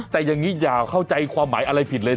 แต่อย่างนี้อย่าเข้าใจความหมายอะไรผิดเลย